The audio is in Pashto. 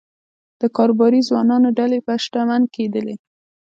د کاروباري ځوانانو ډلې به شتمن کېدلې